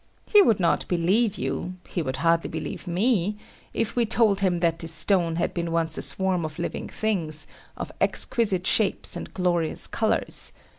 He would not believe you he would hardly believe me if we told him that this stone had been once a swarm of living things, of exquisite shapes and glorious colours.